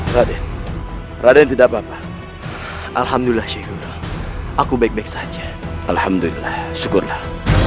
raden raden tidak papa alhamdulillah syekhullah aku baik baik saja alhamdulillah syukurlah